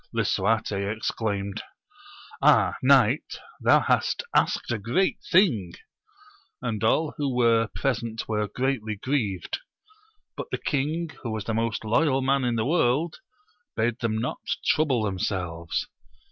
Lisuarte exclaimed. Ah, knight, thou hast asked a great thing ! And all who were present were greatly grieved ; but the king who was the most loyal man in the world, bade them not trouble themselves.